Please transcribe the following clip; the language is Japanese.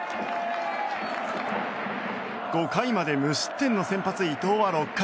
５回まで無失点の先発伊藤は６回。